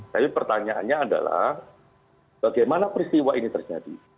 tapi pertanyaannya adalah bagaimana peristiwa ini terjadi